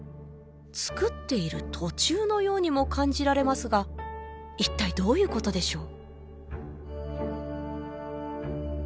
造っている途中のようにも感じられますが一体どういうことでしょう？